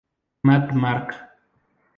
Mad Mark.